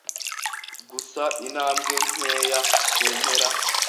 Gusa intambwe nkeya kumpera